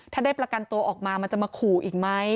ถ้าได้ประกันตัวออกมามันจะมาขู่อีกไหม